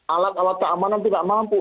alat alat keamanan tidak mampu